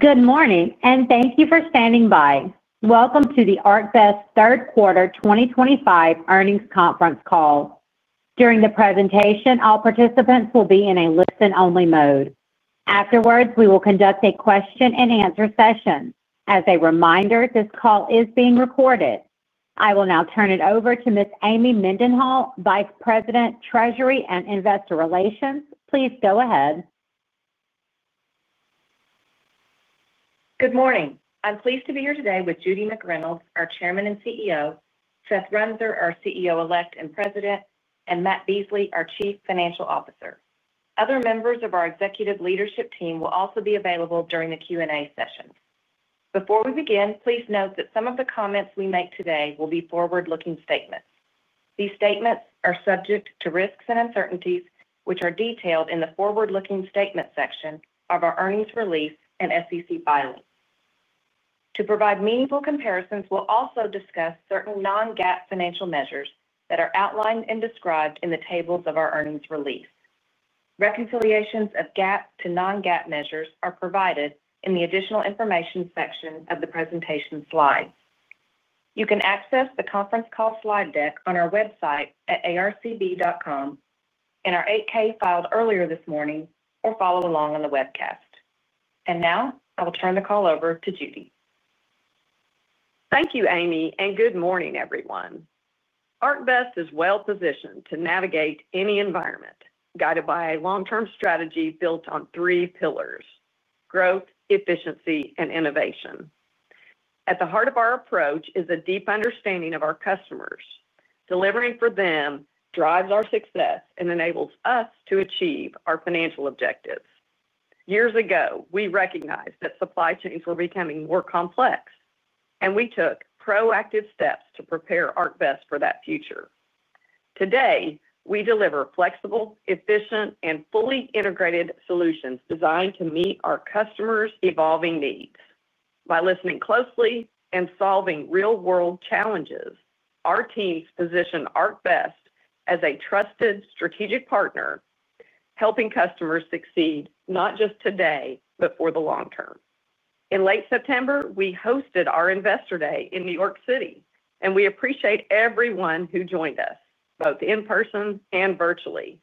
Good morning, and thank you for standing by. Welcome to the ArcBest Third Quarter 2025 Earnings Conference Call. During the presentation, all participants will be in a listen-only mode. Afterwards, we will conduct a question-and-answer session. As a reminder, this call is being recorded. I will now turn it over to Ms. Amy Mendenhall, Vice President, Treasury and Investor Relations. Please go ahead. Good morning. I'm pleased to be here today with Judy McReynolds, our Chairman and CEO, Seth Runser, our CEO-elect and President, and Matt Beasley, our Chief Financial Officer. Other members of our executive leadership team will also be available during the Q&A session. Before we begin, please note that some of the comments we make today will be forward-looking statements. These statements are subject to risks and uncertainties, which are detailed in the forward-looking statement section of our earnings release and SEC filings. To provide meaningful comparisons, we'll also discuss certain non-GAAP financial measures that are outlined and described in the tables of our earnings release. Reconciliations of GAAP to non-GAAP measures are provided in the additional information section of the presentation slides. You can access the conference call slide deck on our website at arcb.com and our 8-K filed earlier this morning, or follow along on the webcast. And now, I will turn the call over to Judy. Thank you, Amy, and good morning, everyone. ArcBest is well-positioned to navigate any environment, guided by a long-term strategy built on three pillars: growth, efficiency, and innovation. At the heart of our approach is a deep understanding of our customers. Delivering for them drives our success and enables us to achieve our financial objectives. Years ago, we recognized that supply chains were becoming more complex. And we took proactive steps to prepare ArcBest for that future. Today, we deliver flexible, efficient, and fully integrated solutions designed to meet our customers' evolving needs. By listening closely and solving real-world challenges, our teams position ArcBest as a trusted strategic partner, helping customers succeed not just today, but for the long term. In late September, we hosted our Investor Day in New York City, and we appreciate everyone who joined us, both in person and virtually.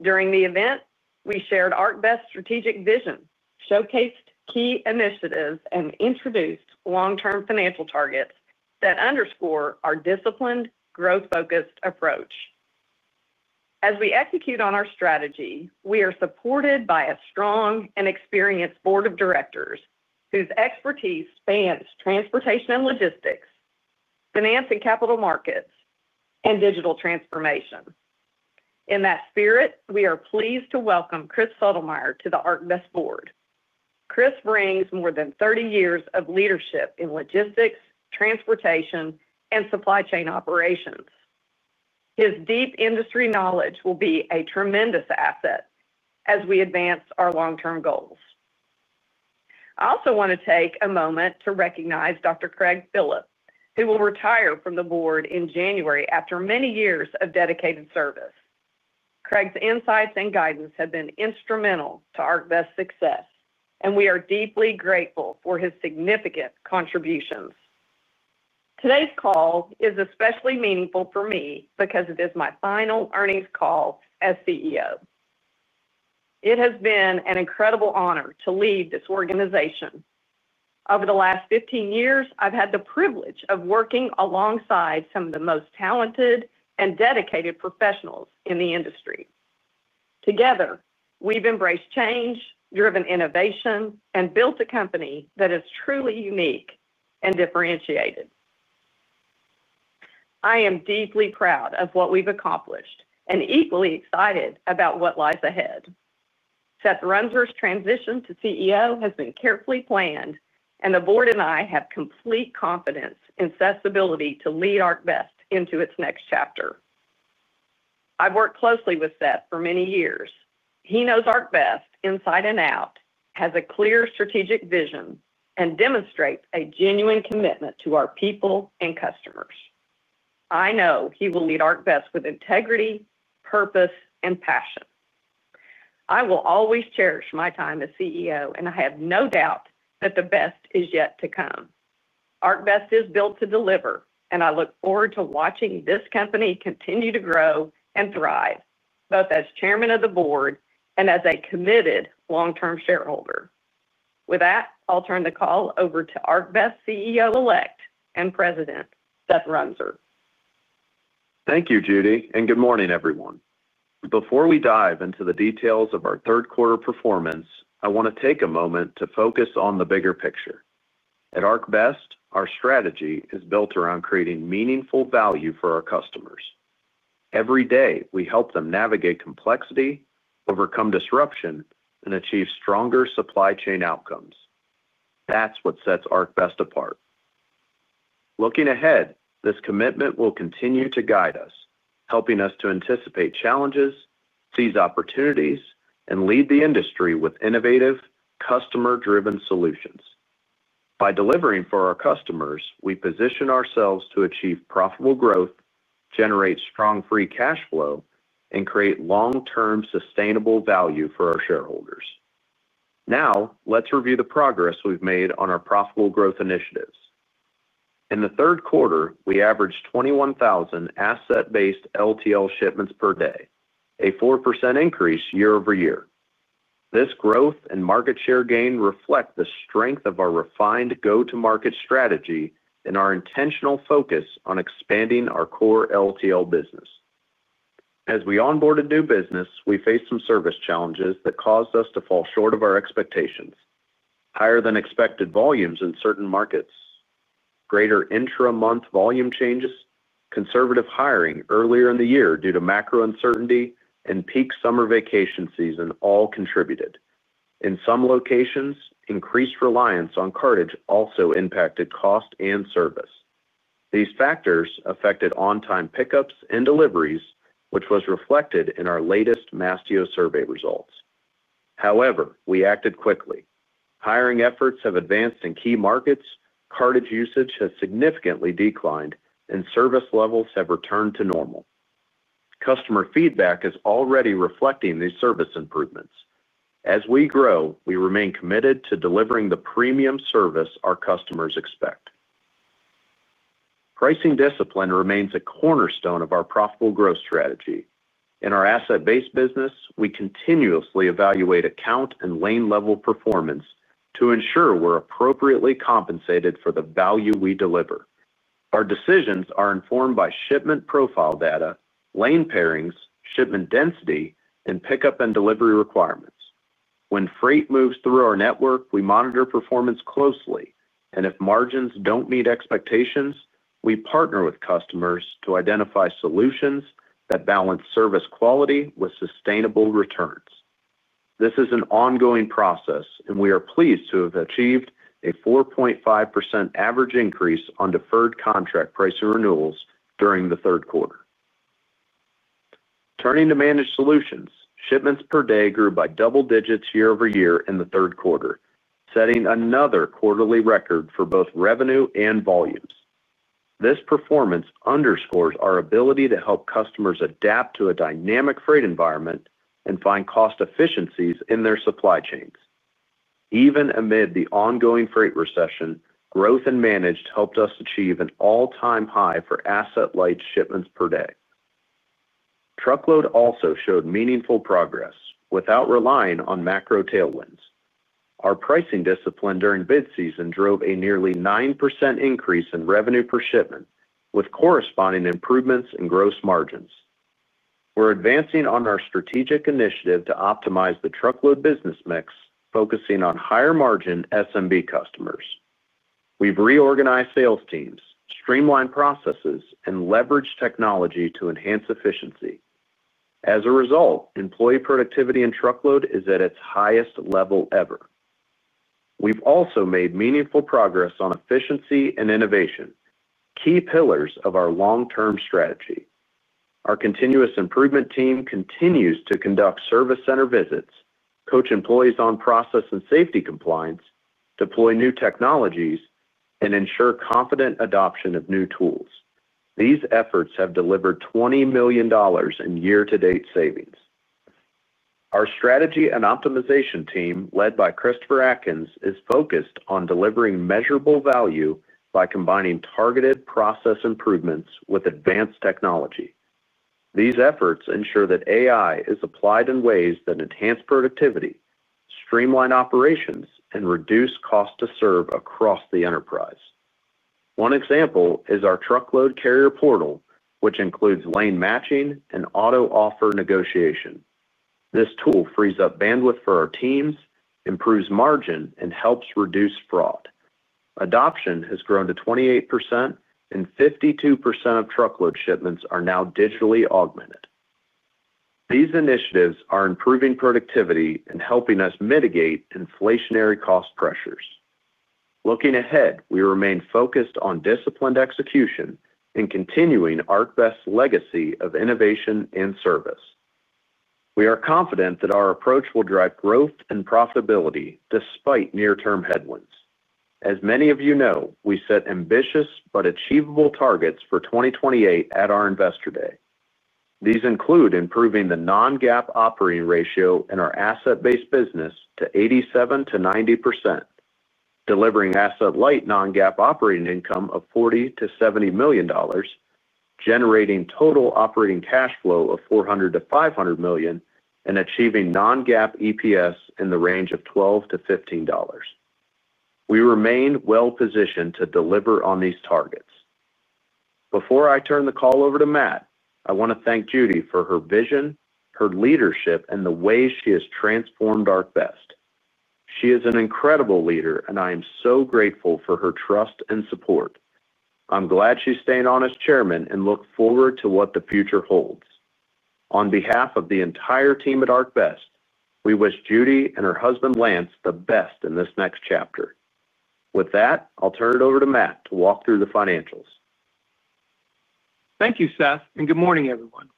During the event, we shared ArcBest's strategic vision, showcased key initiatives, and introduced long-term financial targets that underscore our disciplined, growth-focused approach. As we execute on our strategy, we are supported by a strong and experienced board of directors whose expertise spans transportation and logistics, finance and capital markets, and digital transformation. In that spirit, we are pleased to welcome Chris Sultemeier to the ArcBest board. Chris brings more than 30 years of leadership in logistics, transportation, and supply chain operations. His deep industry knowledge will be a tremendous asset as we advance our long-term goals. I also want to take a moment to recognize Dr. Craig Phillip, who will retire from the board in January after many years of dedicated service. Craig's insights and guidance have been instrumental to ArcBest's success, and we are deeply grateful for his significant contributions. Today's call is especially meaningful for me because it is my final earnings call as CEO. It has been an incredible honor to lead this organization. Over the last 15 years, I've had the privilege of working alongside some of the most talented and dedicated professionals in the industry. Together, we've embraced change, driven innovation, and built a company that is truly unique and differentiated. I am deeply proud of what we've accomplished and equally excited about what lies ahead. Seth Runser's transition to CEO has been carefully planned, and the board and I have complete confidence in Seth's ability to lead ArcBest into its next chapter. I've worked closely with Seth for many years. He knows ArcBest inside and out, has a clear strategic vision, and demonstrates a genuine commitment to our people and customers. I know he will lead ArcBest with integrity, purpose, and passion. I will always cherish my time as CEO, and I have no doubt that the best is yet to come. ArcBest is built to deliver, and I look forward to watching this company continue to grow and thrive, both as Chairman of the board and as a committed long-term shareholder. With that, I'll turn the call over to ArcBest CEO-elect and President, Seth Runser. Thank you, Judy, and good morning, everyone. Before we dive into the details of our third-quarter performance, I want to take a moment to focus on the bigger picture. At ArcBest, our strategy is built around creating meaningful value for our customers. Every day, we help them navigate complexity, overcome disruption, and achieve stronger supply chain outcomes. That's what sets ArcBest apart. Looking ahead, this commitment will continue to guide us, helping us to anticipate challenges, seize opportunities, and lead the industry with innovative, customer-driven solutions. By delivering for our customers, we position ourselves to achieve profitable growth, generate strong free cash flow, and create long-term sustainable value for our shareholders. Now, let's review the progress we've made on our profitable growth initiatives. In the third quarter, we averaged 21,000 Asset-Based LTL shipments per day, a 4% increase year-over-year. This growth and market share gain reflect the strength of our refined go-to-market strategy and our intentional focus on expanding our core LTL business. As we onboarded new business, we faced some service challenges that caused us to fall short of our expectations: higher-than-expected volumes in certain markets, greater intra-month volume changes, conservative hiring earlier in the year due to macro uncertainty, and peak summer vacation season all contributed. In some locations, increased reliance on Cartage also impacted cost and service. These factors affected on-time pickups and deliveries, which was reflected in our latest Mastio Survey results. However, we acted quickly. Hiring efforts have advanced in key markets, Cartage usage has significantly declined, and service levels have returned to normal. Customer feedback is already reflecting these service improvements. As we grow, we remain committed to delivering the premium service our customers expect. Pricing discipline remains a cornerstone of our profitable growth strategy. In our Asset-Based business, we continuously evaluate account and lane-level performance to ensure we're appropriately compensated for the value we deliver. Our decisions are informed by shipment profile data, lane pairings, shipment density, and pickup and delivery requirements. When freight moves through our network, we monitor performance closely, and if margins don't meet expectations, we partner with customers to identify solutions that balance service quality with sustainable returns. This is an ongoing process, and we are pleased to have achieved a 4.5% average increase on deferred contract price renewals during the third quarter. Turning to Managed Solutions, shipments per day grew by double digits year-over-year in the third quarter, setting another quarterly record for both revenue and volumes. This performance underscores our ability to help customers adapt to a dynamic freight environment and find cost efficiencies in their supply chains. Even amid the ongoing freight recession, growth in Managed helped us achieve an all-time high for Asset-Light shipments per day. Truckload also showed meaningful progress without relying on macro tailwinds. Our pricing discipline during bid season drove a nearly 9% increase in revenue per shipment, with corresponding improvements in gross margins. We're advancing on our strategic initiative to optimize the truckload business mix, focusing on higher-margin SMB customers. We've reorganized sales teams, streamlined processes, and leveraged technology to enhance efficiency. As a result, employee productivity and truckload are at its highest level ever. We've also made meaningful progress on efficiency and innovation, key pillars of our long-term strategy. Our continuous improvement team continues to conduct service center visits, coach employees on process and safety compliance, deploy new technologies, and ensure confident adoption of new tools. These efforts have delivered $20 million in year-to-date savings. Our strategy and optimization team, led by Christopher Adkins, is focused on delivering measurable value by combining targeted process improvements with advanced technology. These efforts ensure that AI is applied in ways that enhance productivity, streamline operations, and reduce cost to serve across the enterprise. One example is our truckload carrier portal, which includes lane matching and auto-offer negotiation. This tool frees up bandwidth for our teams, improves margin, and helps reduce fraud. Adoption has grown to 28%, and 52% of truckload shipments are now digitally augmented. These initiatives are improving productivity and helping us mitigate inflationary cost pressures. Looking ahead, we remain focused on disciplined execution and continuing ArcBest's legacy of innovation and service. We are confident that our approach will drive growth and profitability despite near-term headwinds. As many of you know, we set ambitious but achievable targets for 2028 at our Investor Day. These include improving the non-GAAP operating ratio in our Asset-Based business to 87%-90%, delivering Asset-Light non-GAAP operating income of $40 million-$70 million, generating total operating cash flow of $400 million-$500 million, and achieving non-GAAP EPS in the range of $12-$15. We remain well-positioned to deliver on these targets. Before I turn the call over to Matt, I want to thank Judy for her vision, her leadership, and the way she has transformed ArcBest. She is an incredible leader, and I am so grateful for her trust and support. I'm glad she's staying on as Chairman and look forward to what the future holds. On behalf of the entire team at ArcBest, we wish Judy and her husband, Lance, the best in this next chapter. With that, I'll turn it over to Matt to walk through the financials. Thank you, Seth, and good morning, everyone.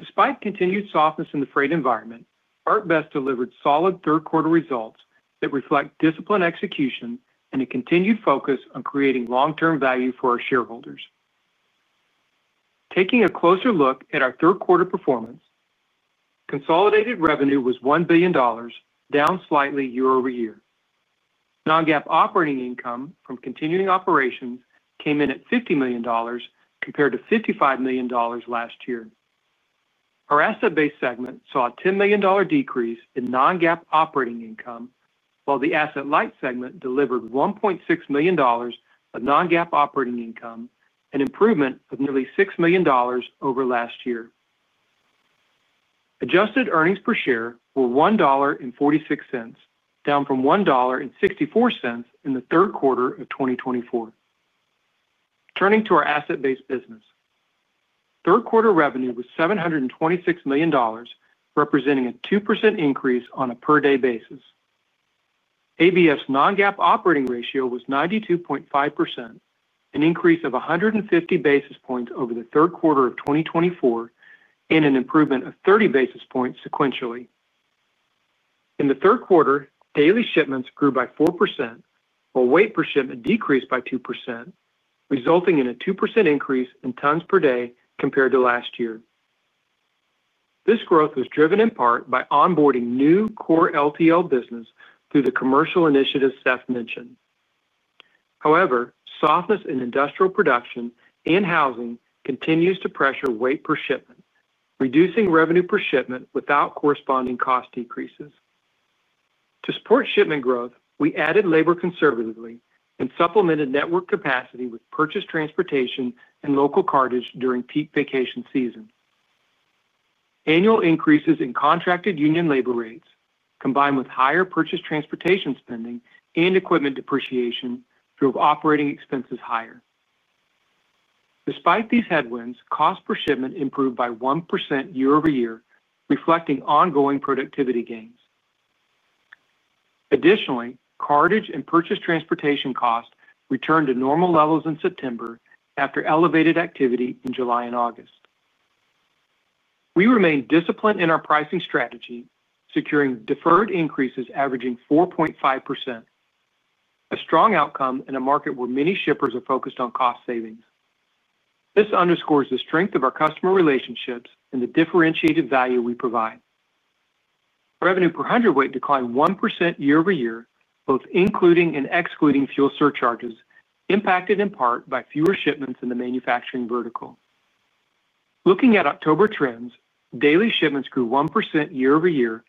Despite continued softness in the freight environment, ArcBest delivered solid third-quarter results that reflect disciplined execution and a continued focus on creating long-term value for our shareholders. Taking a closer look at our third-quarter performance. Consolidated revenue was $1 billion, down slightly year-over-year. Non-GAAP operating income from continuing operations came in at $50 million, compared to $55 million last year. Our Asset-Based segment saw a $10 million decrease in non-GAAP operating income, while the Asset-Light segment delivered $1.6 million of non-GAAP operating income, an improvement of nearly $6 million over last year. Adjusted earnings per share were $1.46, down from $1.64 in the third quarter of 2024. Turning to our Asset-Based business. Third-quarter revenue was $726 million, representing a 2% increase on a per-day basis. ABF's non-GAAP operating ratio was 92.5%, an increase of 150 basis points over the third quarter of 2024, and an improvement of 30 basis points sequentially. In the third quarter, daily shipments grew by 4%, while weight per shipment decreased by 2%, resulting in a 2% increase in tons per day compared to last year. This growth was driven in part by onboarding new core LTL business through the commercial initiative Seth mentioned. However, softness in industrial production and housing continues to pressure weight per shipment, reducing revenue per shipment without corresponding cost decreases. To support shipment growth, we added labor conservatively and supplemented network capacity with purchased transportation and local Cartage during peak vacation seasons. Annual increases in contracted union labor rates, combined with higher purchased transportation spending and equipment depreciation, drove operating expenses higher. Despite these headwinds, cost per shipment improved by 1% year-over-year, reflecting ongoing productivity gains. Additionally, Cartage and purchased transportation costs returned to normal levels in September after elevated activity in July and August. We remain disciplined in our pricing strategy, securing deferred increases averaging 4.5%. A strong outcome in a market where many shippers are focused on cost savings. This underscores the strength of our customer relationships and the differentiated value we provide. Revenue per 100 weight declined 1% year-over-year, both including and excluding fuel surcharges, impacted in part by fewer shipments in the manufacturing vertical. Looking at October trends, daily shipments grew 1% year-over-year,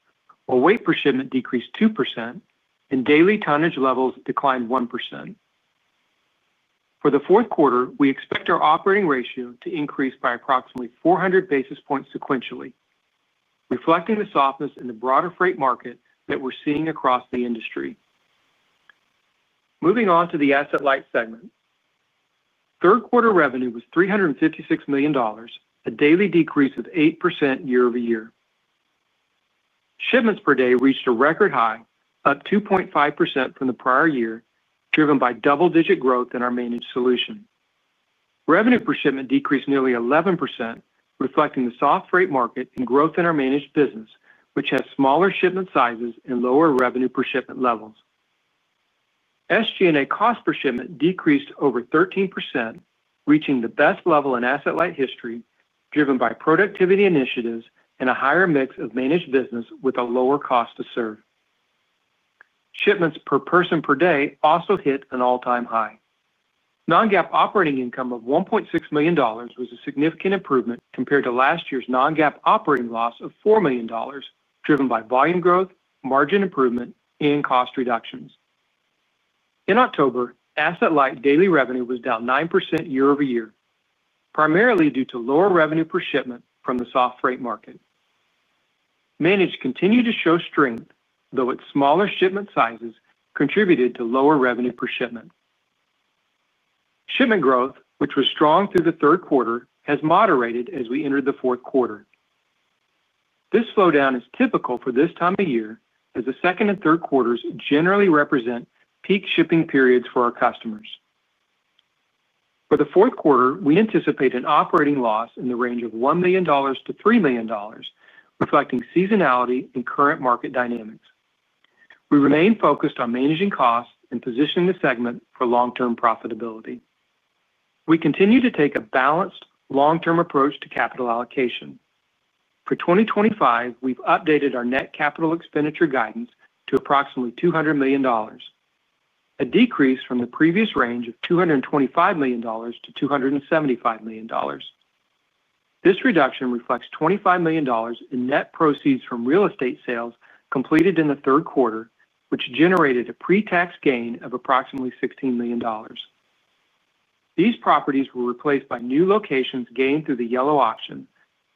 while weight per shipment decreased 2%, and daily tonnage levels declined 1%. For the fourth quarter, we expect our operating ratio to increase by approximately 400 basis points sequentially, reflecting the softness in the broader freight market that we're seeing across the industry. Moving on to the Asset-Light segment. Third-quarter revenue was $356 million, a daily decrease of 8% year-over-year. Shipments per day reached a record high, up 2.5% from the prior year, driven by double-digit growth in our Managed Solution. Revenue per shipment decreased nearly 11%, reflecting the soft freight market and growth in our Managed business, which has smaller shipment sizes and lower revenue per shipment levels. SG&A cost per shipment decreased over 13%, reaching the best level in Asset-Light history, driven by productivity initiatives and a higher mix of Managed business with a lower cost to serve. Shipments per person per day also hit an all-time high. Non-GAAP operating income of $1.6 million was a significant improvement compared to last year's non-GAAP operating loss of $4 million, driven by volume growth, margin improvement, and cost reductions. In October, Asset-Light daily revenue was down 9% year-over-year, primarily due to lower revenue per shipment from the soft freight market. Managed continued to show strength, though its smaller shipment sizes contributed to lower revenue per shipment. Shipment growth, which was strong through the third quarter, has moderated as we entered the fourth quarter. This slowdown is typical for this time of year, as the second and third quarters generally represent peak shipping periods for our customers. For the fourth quarter, we anticipate an operating loss in the range of $1 million-$3 million, reflecting seasonality and current market dynamics. We remain focused on managing costs and positioning the segment for long-term profitability. We continue to take a balanced, long-term approach to capital allocation. For 2025, we've updated our net capital expenditure guidance to approximately $200 million, a decrease from the previous range of $225 million-$275 million. This reduction reflects $25 million in net proceeds from real estate sales completed in the third quarter, which generated a pre-tax gain of approximately $16 million. These properties were replaced by new locations gained through the Yellow auction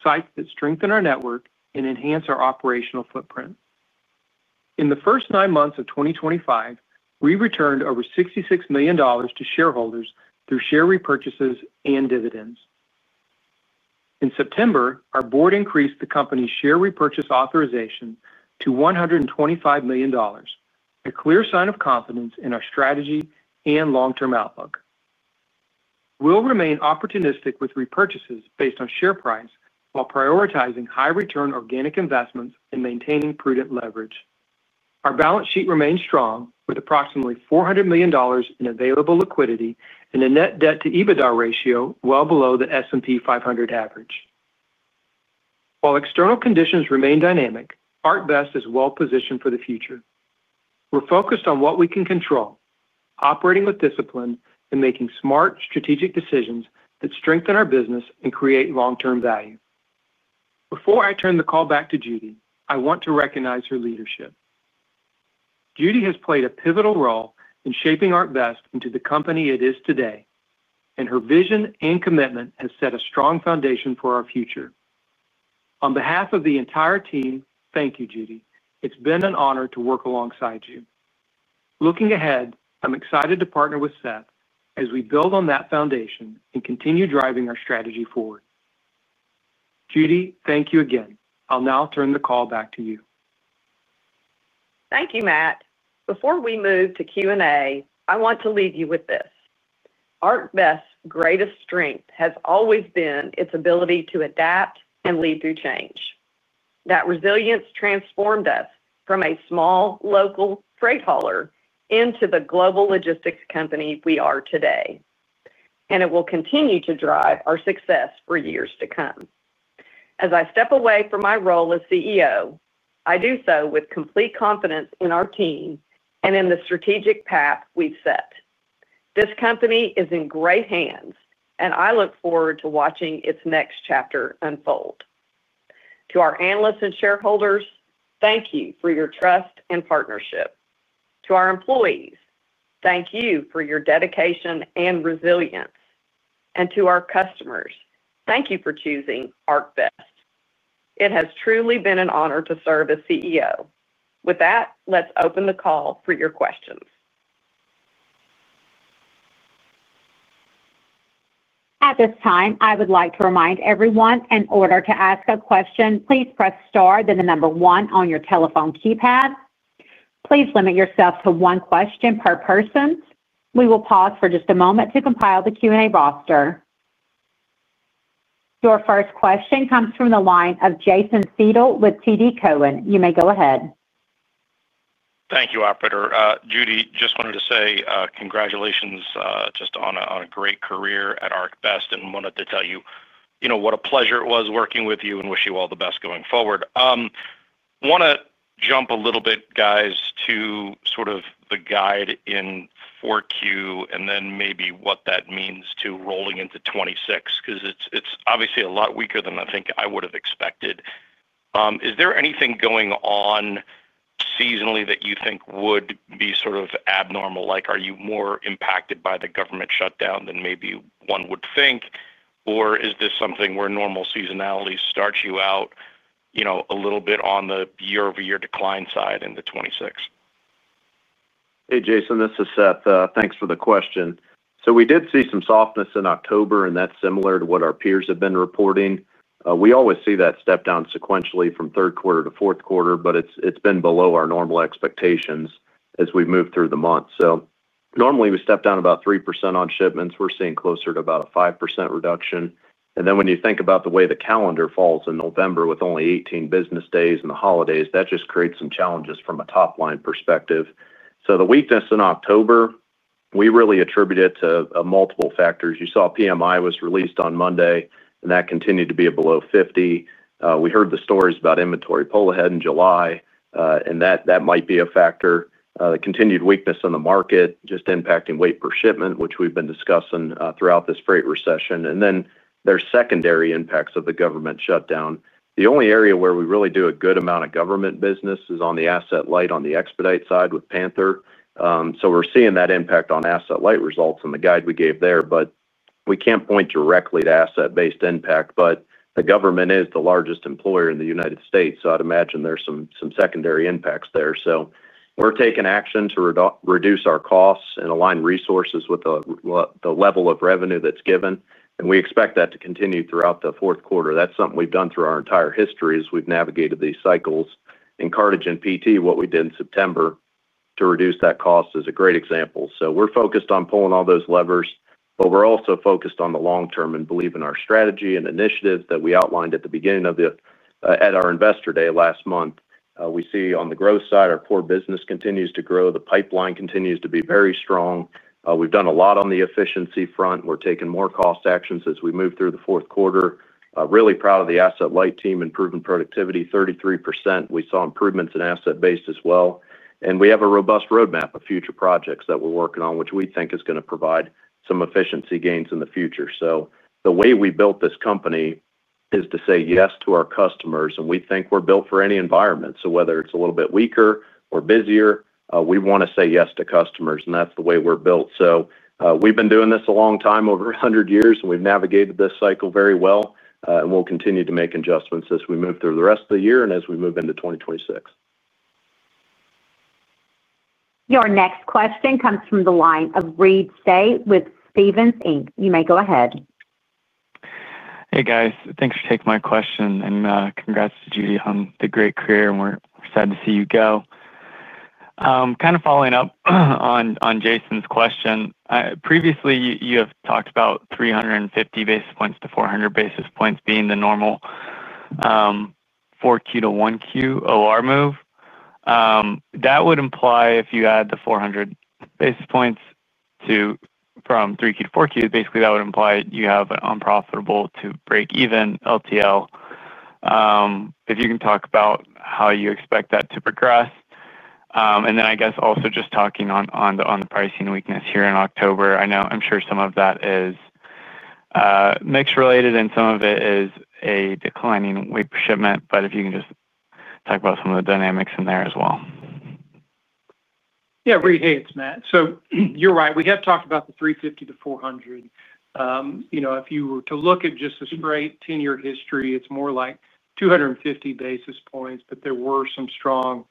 sites that strengthen our network and enhance our operational footprint. In the first nine months of 2025, we returned over $66 million to shareholders through share repurchases and dividends. In September, our board increased the company's share repurchase authorization to $125 million, a clear sign of confidence in our strategy and long-term outlook. We'll remain opportunistic with repurchases based on share price while prioritizing high-return organic investments and maintaining prudent leverage. Our balance sheet remains strong, with approximately $400 million in available liquidity and a net debt-to-EBITDA ratio well below the S&P 500 average. While external conditions remain dynamic, ArcBest is well-positioned for the future. We're focused on what we can control, operating with discipline, and making smart, strategic decisions that strengthen our business and create long-term value. Before I turn the call back to Judy, I want to recognize her leadership. Judy has played a pivotal role in shaping ArcBest into the company it is today, and her vision and commitment have set a strong foundation for our future. On behalf of the entire team, thank you, Judy. It's been an honor to work alongside you. Looking ahead, I'm excited to partner with Seth as we build on that foundation and continue driving our strategy forward. Judy, thank you again. I'll now turn the call back to you. Thank you, Matt. Before we move to Q&A, I want to leave you with this. ArcBest's greatest strength has always been its ability to adapt and lead through change. That resilience transformed us from a small local freight hauler into the global logistics company we are today. It will continue to drive our success for years to come. As I step away from my role as CEO, I do so with complete confidence in our team and in the strategic path we have set. This company is in great hands, and I look forward to watching its next chapter unfold. To our analysts and shareholders, thank you for your trust and partnership. To our employees, thank you for your dedication and resilience. To our customers, thank you for choosing ArcBest. It has truly been an honor to serve as CEO. With that, let's open the call for your questions. At this time, I would like to remind everyone, in order to ask a question, please press star then the number one on your telephone keypad. Please limit yourself to one question per person. We will pause for just a moment to compile the Q&A roster. Your first question comes from the line of Jason Seidl with TD Cowen. You may go ahead. Thank you, Operator. Judy, just wanted to say congratulations just on a great career at ArcBest, and wanted to tell you what a pleasure it was working with you and wish you all the best going forward. I want to jump a little bit, guys, to sort of the guide in Q4 and then maybe what that means to rolling into 2026 because it's obviously a lot weaker than I think I would have expected. Is there anything going on seasonally that you think would be sort of abnormal? Are you more impacted by the government shutdown than maybe one would think, or is this something where normal seasonality starts you out a little bit on the year-over-year decline side in 2026? Hey, Jason, this is Seth. Thanks for the question. So we did see some softness in October, and that's similar to what our peers have been reporting. We always see that step down sequentially from third quarter to fourth quarter, but it's been below our normal expectations as we've moved through the month. Normally, we step down about 3% on shipments. We're seeing closer to about a 5% reduction. When you think about the way the calendar falls in November with only 18 business days and the holidays, that just creates some challenges from a top-line perspective. So the weakness in October, we really attribute it to multiple factors. You saw PMI was released on Monday, and that continued to be below 50. We heard the stories about inventory pull ahead in July, and that might be a factor. The continued weakness in the market just impacting weight per shipment, which we've been discussing throughout this freight recession. And then there are secondary impacts of the government shutdown. The only area where we really do a good amount of government business is on the Asset-Light, on the expedite side with Panther. We're seeing that impact on Asset-Light results in the guide we gave there, but we can't point directly to Asset-Based impact. The government is the largest employer in the United States, so I'd imagine there's some secondary impacts there. We're taking action to reduce our costs and align resources with the level of revenue that's given. We expect that to continue throughout the fourth quarter. That's something we've done through our entire history as we've navigated these cycles. In Cartage and PT, what we did in September. To reduce that cost is a great example. We are focused on pulling all those levers, but we are also focused on the long term and believe in our strategy and initiatives that we outlined at the beginning of the at our Investor Day last month. We see on the growth side, our core business continues to grow. The pipeline continues to be very strong. We have done a lot on the efficiency front. We are taking more cost actions as we move through the fourth quarter. Really proud of the Asset-Light team and proven productivity, 33%. We saw improvements in Asset-Based as well. We have a robust roadmap of future projects that we are working on, which we think is going to provide some efficiency gains in the future. So the way we built this company is to say yes to our customers, and we think we are built for any environment. Whether it's a little bit weaker or busier, we want to say yes to customers, and that's the way we're built. We've been doing this a long time, over 100 years, and we've navigated this cycle very well, and we'll continue to make adjustments as we move through the rest of the year and as we move into 2026. Your next question comes from the line of Reed Seay with Stephens Inc. You may go ahead. Hey, guys. Thanks for taking my question, and congrats to Judy on the great career, and we're excited to see you go. Kind of following up on Jason's question, previously, you have talked about 350 basis points-400 basis points being the normal 4Q-1Q OR move. That would imply if you add the 400 basis points from 3Q-4Q, basically, that would imply you have an unprofitable to break-even LTL. If you can talk about how you expect that to progress. I guess also just talking on the pricing weakness here in October, I know I'm sure some of that is mix-related, and some of it is a declining weight per shipment, but if you can just talk about some of the dynamics in there as well. Yeah, Reed, hey, it's Matt. You are right. We have talked about the 350-400. If you were to look at just a straight 10-year history, it is more like 250 basis points, but there were some strong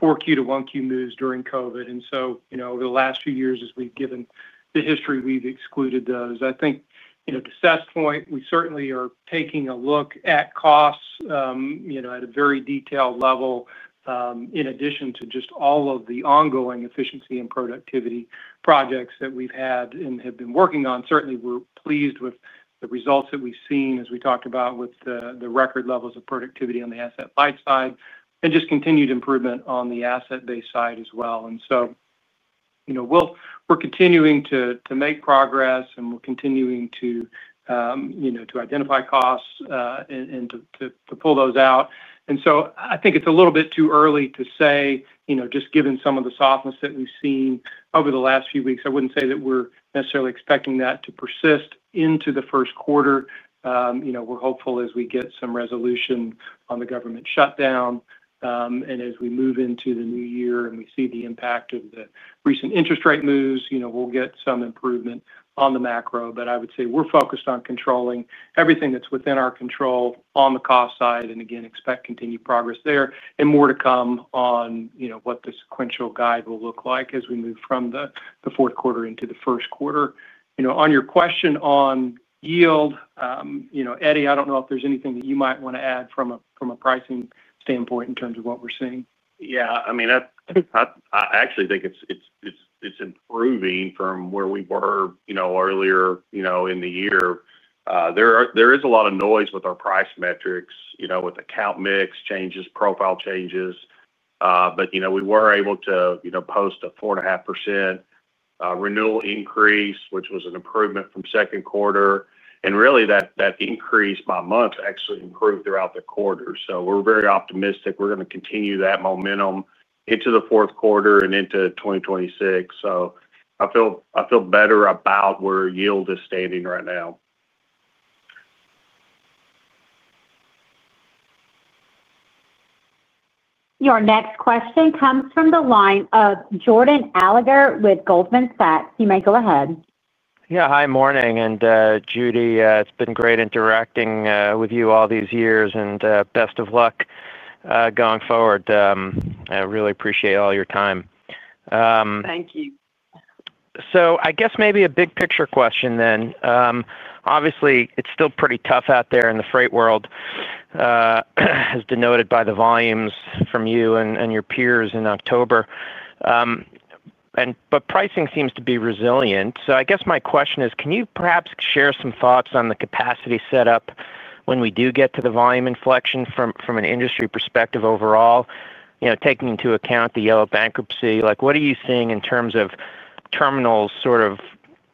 4Q-1Q moves during COVID. Over the last few years, as we have given the history, we have excluded those. I think to Seth's point, we certainly are taking a look at costs at a very detailed level. In addition to just all of the ongoing efficiency and productivity projects that we have had and have been working on, certainly, we are pleased with the results that we have seen, as we talked about, with the record levels of productivity on the Asset-Light side and just continued improvement on the Asset-Based side as well. We are continuing to make progress, and we are continuing to identify costs and to pull those out. And so I think it's a little bit too early to say, just given some of the softness that we've seen over the last few weeks. I wouldn't say that we're necessarily expecting that to persist into the first quarter. We're hopeful as we get some resolution on the government shutdown. And as we move into the new year and we see the impact of the recent interest rate moves, we'll get some improvement on the macro. I would say we're focused on controlling everything that's within our control on the cost side and, again, expect continued progress there and more to come on what the sequential guide will look like as we move from the fourth quarter into the first quarter. On your question on yield. Eddie, I don't know if there's anything that you might want to add from a pricing standpoint in terms of what we're seeing. Yeah. I mean. I actually think it's improving from where we were earlier in the year. There is a lot of noise with our price metrics, with account mix changes, profile changes. We were able to post a 4.5% renewal increase, which was an improvement from second quarter. That increase by month actually improved throughout the quarter. We are very optimistic. We are going to continue that momentum into the fourth quarter and into 2026. So I feel better about where yield is standing right now. Your next question comes from the line of Jordan Alliger with Goldman Sachs. You may go ahead. Yeah. Hi, morning, and Judy. It's been great interacting with you all these years, and best of luck going forward. I really appreciate all your time. Thank you. I guess maybe a big picture question then. Obviously, it's still pretty tough out there in the freight world, as denoted by the volumes from you and your peers in October. But pricing seems to be resilient. I guess my question is, can you perhaps share some thoughts on the capacity setup when we do get to the volume inflection from an industry perspective overall, taking into account the Yellow bankruptcy? What are you seeing in terms of terminals sort of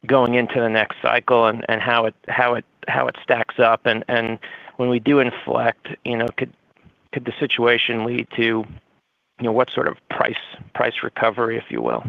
going into the next cycle and how it stacks up? When we do inflect, could the situation lead to what sort of price recovery, if you will?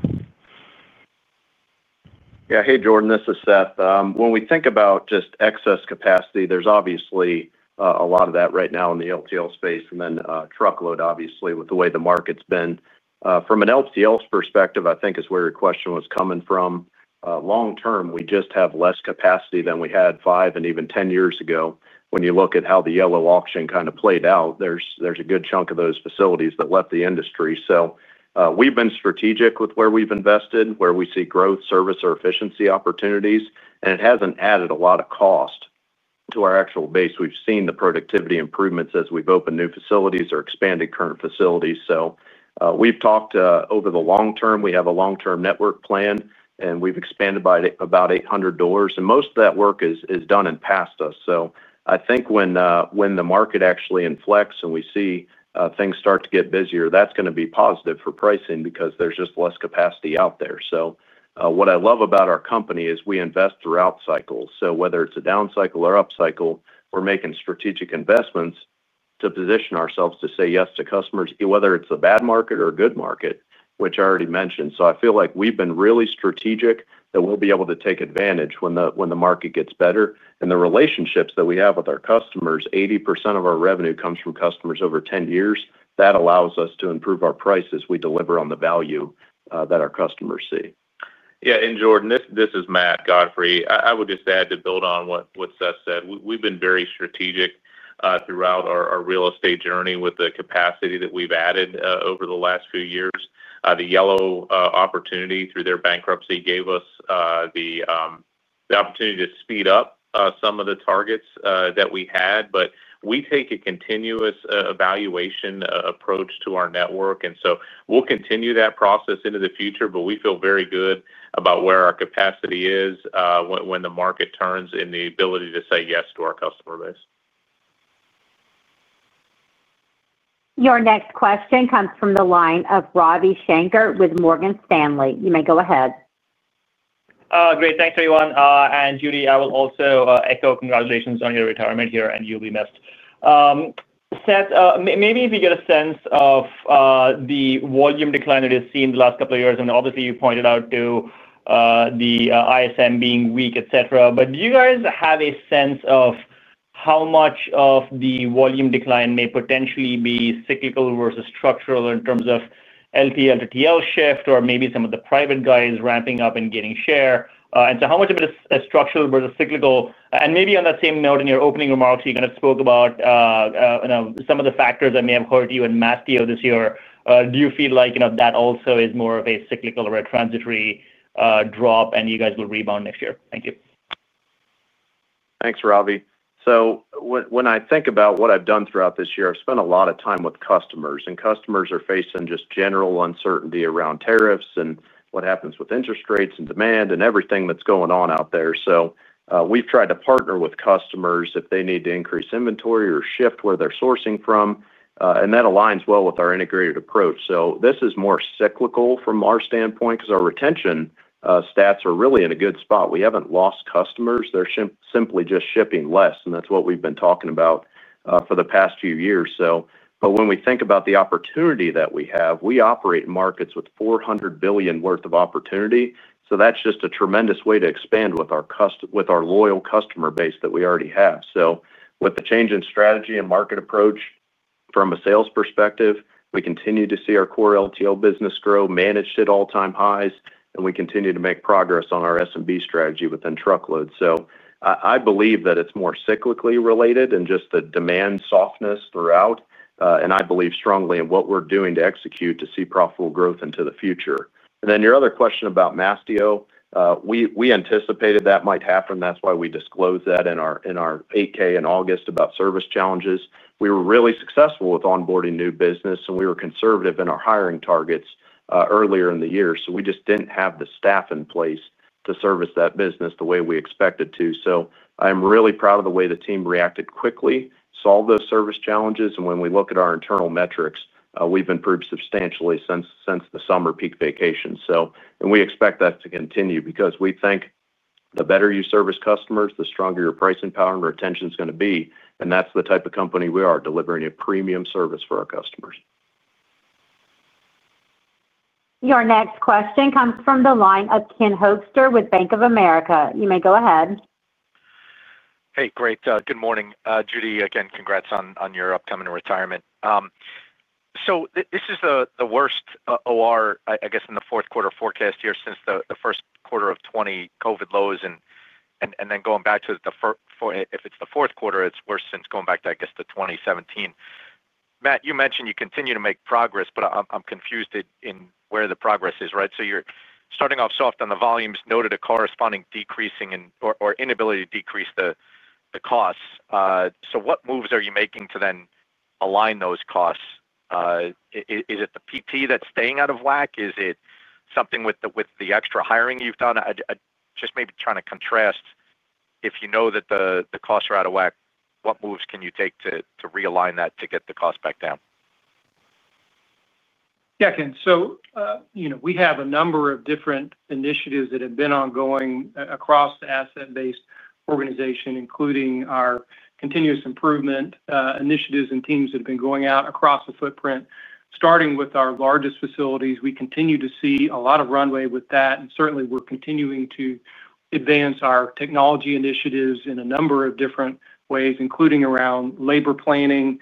Yeah. Hey, Jordan, this is Seth. When we think about just excess capacity, there's obviously a lot of that right now in the LTL space and then truckload, obviously, with the way the market's been. From an LTL perspective, I think is where your question was coming from. Long term, we just have less capacity than we had five and even ten years ago. When you look at how the Yellow auction kind of played out, there's a good chunk of those facilities that left the industry. We've been strategic with where we've invested, where we see growth, service, or efficiency opportunities, and it hasn't added a lot of cost to our actual base. We've seen the productivity improvements as we've opened new facilities or expanded current facilities. So we've talked over the long term. We have a long-term network plan, and we've expanded by about 800 doors. Most of that work is done in past us. So I think when the market actually inflects and we see things start to get busier, that's going to be positive for pricing because there's just less capacity out there. So what I love about our company is we invest throughout cycles. Whether it's a down cycle or up cycle, we're making strategic investments to position ourselves to say yes to customers, whether it's a bad market or a good market, which I already mentioned. I feel like we've been really strategic that we'll be able to take advantage when the market gets better. The relationships that we have with our customers, 80% of our revenue comes from customers over 10 years. That allows us to improve our prices. We deliver on the value that our customers see. Yeah. Jordan, this is Matt Godfrey. I would just add to build on what Seth said. We've been very strategic throughout our real estate journey with the capacity that we've added over the last few years. The Yellow opportunity through their bankruptcy gave us the opportunity to speed up some of the targets that we had. But we take a continuous evaluation approach to our network. We will continue that process into the future, but we feel very good about where our capacity is when the market turns and the ability to say yes to our customer base. Your next question comes from the line of Ravi Shanker with Morgan Stanley. You may go ahead. Great. Thanks, everyone. Judy, I will also echo congratulations on your retirement here, and you'll be missed. Seth, maybe if you get a sense of the volume decline that is seen the last couple of years, and obviously, you pointed out to the ISM being weak, etc. Do you guys have a sense of how much of the volume decline may potentially be cyclical versus structural in terms of LTL to TL shift or maybe some of the private guys ramping up and getting share? How much of it is structural versus cyclical? Maybe on that same note, in your opening remarks, you kind of spoke about some of the factors that may have hurt you and messed you up this year. Do you feel like that also is more of a cyclical or a transitory drop, and you guys will rebound next year? Thank you. Thanks, Robbie. When I think about what I've done throughout this year, I've spent a lot of time with customers. Customers are facing just general uncertainty around tariffs and what happens with interest rates and demand and everything that's going on out there. We've tried to partner with customers if they need to increase inventory or shift where they're sourcing from. That aligns well with our integrated approach. This is more cyclical from our standpoint because our retention stats are really in a good spot. We haven't lost customers. They're simply just shipping less, and that's what we've been talking about for the past few years. So when we think about the opportunity that we have, we operate in markets with $400 billion worth of opportunity. That's just a tremendous way to expand with our loyal customer base that we already have. So with the change in strategy and market approach from a sales perspective, we continue to see our core LTL business grow, manage at all-time highs, and we continue to make progress on our SMB strategy within truckload. I believe that it's more cyclically related and just the demand softness throughout. I believe strongly in what we're doing to execute to see profitable growth into the future. Your other question about Mastio, we anticipated that might happen. That's why we disclosed that in our 8-K in August about service challenges. We were really successful with onboarding new business, and we were conservative in our hiring targets earlier in the year. We just did not have the staff in place to service that business the way we expected to. So I'm really proud of the way the team reacted quickly, solved those service challenges. When we look at our internal metrics, we've improved substantially since the summer peak vacation. So we expect that to continue because we think the better you service customers, the stronger your pricing power and retention is going to be. That's the type of company we are, delivering a premium service for our customers. Your next question comes from the line of Ken Hoexter with Bank of America. You may go ahead. Hey, great. Good morning, Judy. Again, congrats on your upcoming retirement. So this is the worst OR, I guess, in the fourth quarter forecast here since the first quarter of 2020 COVID lows and then going back to the fourth, if it is the fourth quarter, it is worse since going back to, I guess, 2017. Matt, you mentioned you continue to make progress, but I am confused in where the progress is, right? You are starting off soft on the volumes, noted a corresponding decreasing or inability to decrease the costs. So what moves are you making to then align those costs? Is it the PT that is staying out of whack? Is it something with the extra hiring you have done? Just maybe trying to contrast, if you know that the costs are out of whack, what moves can you take to realign that to get the cost back down? Yeah, Ken. So we have a number of different initiatives that have been ongoing across the Asset-Based organization, including our continuous improvement initiatives and teams that have been going out across the footprint. Starting with our largest facilities, we continue to see a lot of runway with that. Certainly, we're continuing to advance our technology initiatives in a number of different ways, including around labor planning,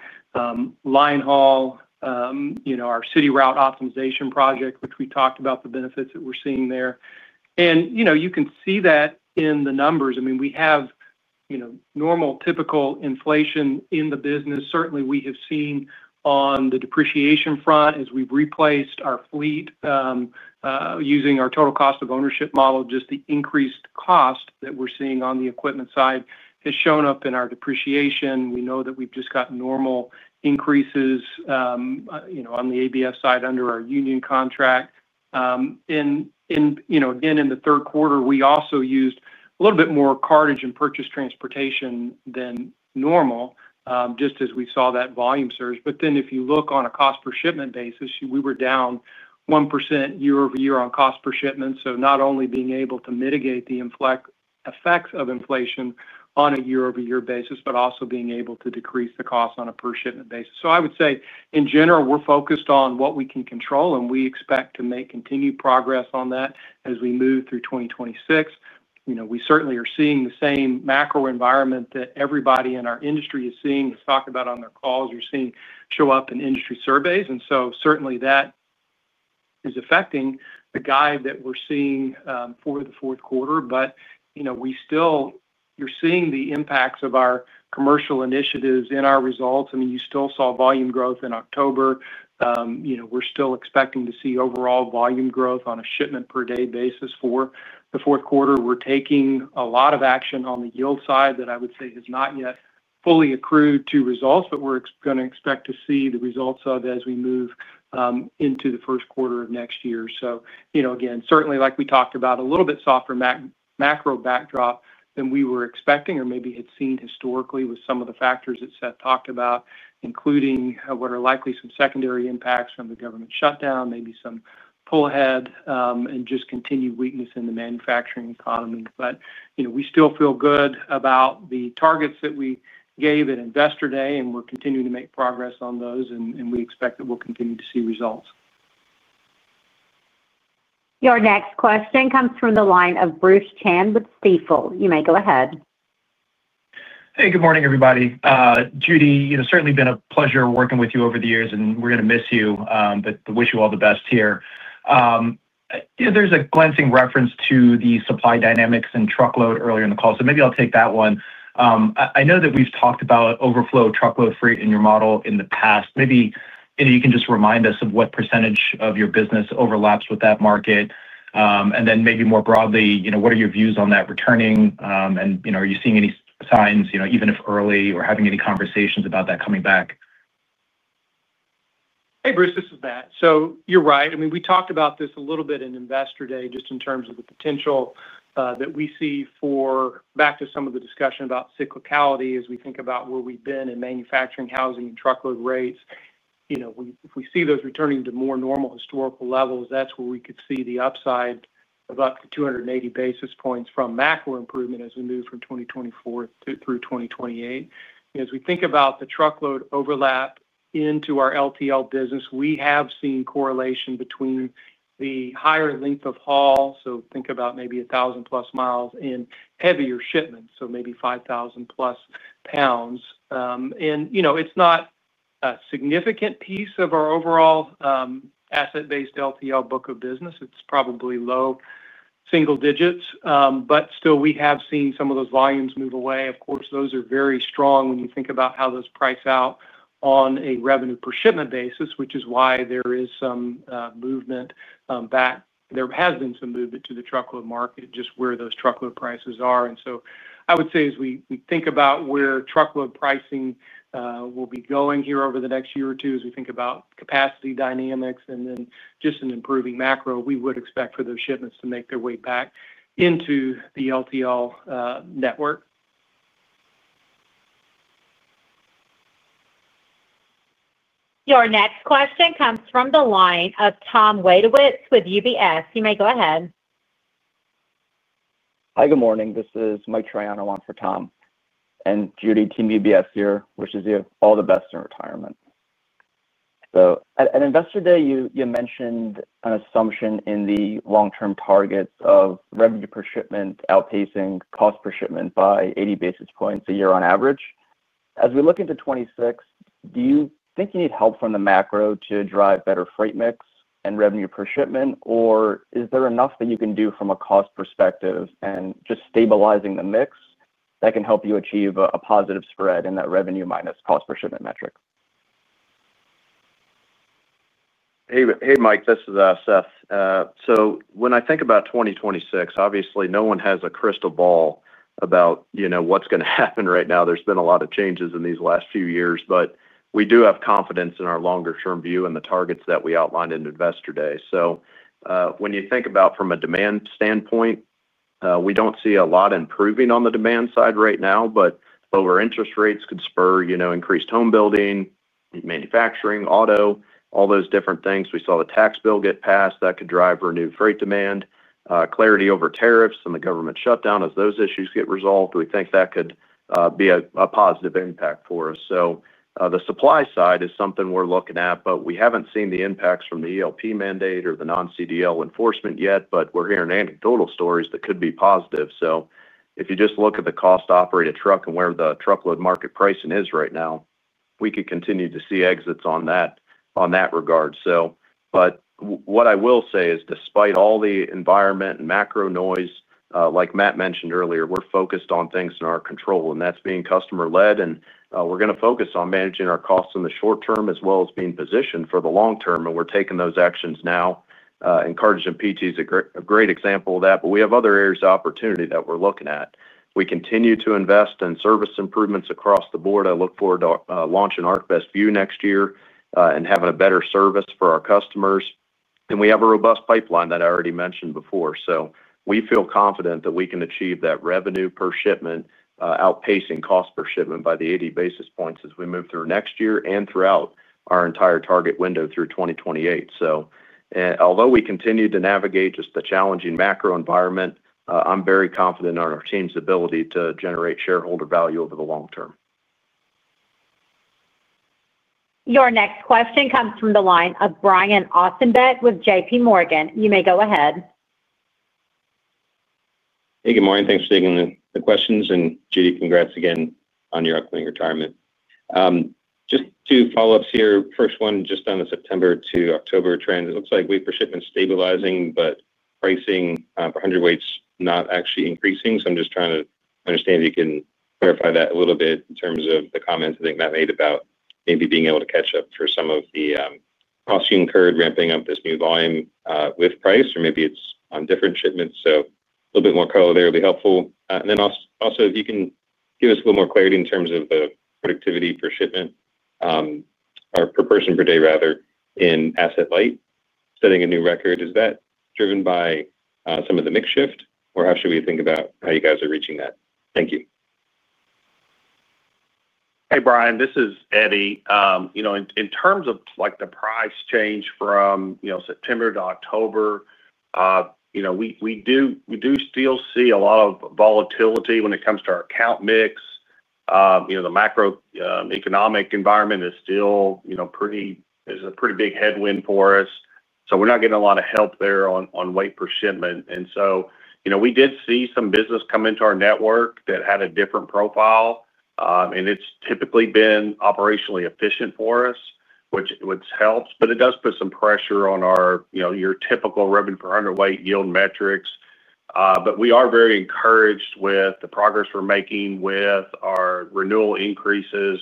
line haul, our city route optimization project, which we talked about the benefits that we're seeing there. And you can see that in the numbers. I mean, we have normal, typical inflation in the business. Certainly, we have seen on the depreciation front as we've replaced our fleet. Using our total cost of ownership model, just the increased cost that we're seeing on the equipment side has shown up in our depreciation. We know that we've just got normal increases. On the ABF side under our union contract. In the third quarter, we also used a little bit more Cartage and purchase transportation than normal, just as we saw that volume surge. If you look on a cost per shipment basis, we were down 1% year-over-year on cost per shipment. Not only being able to mitigate the effects of inflation on a year-over-year basis, but also being able to decrease the cost on a per shipment basis. So I would say, in general, we're focused on what we can control, and we expect to make continued progress on that as we move through 2026. We certainly are seeing the same macro environment that everybody in our industry is seeing. We've talked about on their calls, you're seeing show up in industry surveys. Certainly that. Is affecting the guide that we're seeing for the fourth quarter. You're seeing the impacts of our commercial initiatives in our results. I mean, you still saw volume growth in October. We're still expecting to see overall volume growth on a shipment per day basis for the fourth quarter. We're taking a lot of action on the yield side that I would say has not yet fully accrued to results, but we're going to expect to see the results of as we move into the first quarter of next year. So again, certainly, like we talked about, a little bit softer macro backdrop than we were expecting or maybe had seen historically with some of the factors that Seth talked about, including what are likely some secondary impacts from the government shutdown, maybe some pull ahead, and just continued weakness in the manufacturing economy. But we still feel good about the targets that we gave at Investor Day, and we're continuing to make progress on those, and we expect that we'll continue to see results. Your next question comes from the line of Bruce Chan with Stifel. You may go ahead. Hey, good morning, everybody. Judy, certainly been a pleasure working with you over the years, and we're going to miss you, but wish you all the best here. There is a glinting reference to the supply dynamics and truckload earlier in the call. Maybe I'll take that one. I know that we've talked about overflow truckload freight in your model in the past. Maybe you can just remind us of what percentage of your business overlaps with that market. Then maybe more broadly, what are your views on that returning? Are you seeing any signs, even if early, or having any conversations about that coming back? Hey, Bruce, this is Matt. You're right. I mean, we talked about this a little bit in Investor Day just in terms of the potential that we see for back to some of the discussion about cyclicality as we think about where we've been in manufacturing, housing, and truckload rates. If we see those returning to more normal historical levels, that's where we could see the upside of up to 280 basis points from macro improvement as we move from 2024 through 2028. As we think about the truckload overlap into our LTL business, we have seen correlation between the higher length of haul, so think about maybe 1,000+ miles in heavier shipments, so maybe 5,000+ pounds. It's not a significant piece of our overall Asset-Based LTL book of business. It's probably low single digits. But still, we have seen some of those volumes move away. Of course, those are very strong when you think about how those price out on a revenue per shipment basis, which is why there is some movement back. There has been some movement to the truckload market, just where those truckload prices are. I would say as we think about where truckload pricing will be going here over the next year or two, as we think about capacity dynamics and then just an improving macro, we would expect for those shipments to make their way back into the LTL network. Your next question comes from the line of Tom Wadewitz with UBS. You may go ahead. Hi, good morning. This is Mike Triano on for Tom. And Judy, Team UBS here wishes you all the best in retirement. At Investor Day, you mentioned an assumption in the long-term targets of revenue per shipment outpacing cost per shipment by 80 basis points a year on average. As we look into 2026, do you think you need help from the macro to drive better freight mix and revenue per shipment, or is there enough that you can do from a cost perspective and just stabilizing the mix that can help you achieve a positive spread in that revenue minus cost per shipment metric? Hey, Mike. This is Seth. So when I think about 2026, obviously, no one has a crystal ball about what's going to happen right now. There's been a lot of changes in these last few years, but we do have confidence in our longer-term view and the targets that we outlined in Investor Day. When you think about from a demand standpoint, we don't see a lot improving on the demand side right now, but lower interest rates could spur increased home building, manufacturing, auto, all those different things. We saw the tax bill get passed. That could drive renewed freight demand. Clarity over tariffs and the government shutdown, as those issues get resolved, we think that could be a positive impact for us. So the supply side is something we're looking at, but we haven't seen the impacts from the ELD mandate or the non-CDL enforcement yet, but we're hearing anecdotal stories that could be positive. So if you just look at the cost to operate a truck and where the truckload market pricing is right now, we could continue to see exits on that regard. So what I will say is, despite all the environment and macro noise, like Matt mentioned earlier, we're focused on things in our control, and that's being customer-led. We're going to focus on managing our costs in the short term as well as being positioned for the long term. We're taking those actions now. Cartage and PT is a great example of that. We have other areas of opportunity that we're looking at. We continue to invest in service improvements across the board. I look forward to launching ArcBest View next year and having a better service for our customers. We have a robust pipeline that I already mentioned before. So we feel confident that we can achieve that revenue per shipment outpacing cost per shipment by the 80 basis points as we move through next year and throughout our entire target window through 2028. Although we continue to navigate just the challenging macro environment, I'm very confident in our team's ability to generate shareholder value over the long term. Your next question comes from the line of Brian Ossenbeck with JPMorgan. You may go ahead. Hey, good morning. Thanks for taking the questions. Judy, congrats again on your upcoming retirement. Just two follow-ups here. First one, just on the September to October trend, it looks like weight per shipment stabilizing, but pricing for 100 weights not actually increasing. I'm just trying to understand if you can clarify that a little bit in terms of the comments I think Matt made about maybe being able to catch up for some of the cost you incurred ramping up this new volume with price, or maybe it's on different shipments. A little bit more color there would be helpful. Also, if you can give us a little more clarity in terms of the productivity per shipment, or per person per day, rather, in Asset-Light, setting a new record. Is that driven by some of the mix shift, or how should we think about how you guys are reaching that? Thank you. Hey, Brian. This is Eddie. In terms of the price change from September to October, we do still see a lot of volatility when it comes to our account mix. The macroeconomic environment is still a pretty big headwind for us. So we are not getting a lot of help there on weight per shipment. And so we did see some business come into our network that had a different profile. It has typically been operationally efficient for us, which helps, but it does put some pressure on your typical revenue per 100 weight yield metrics. But we are very encouraged with the progress we are making with our renewal increases.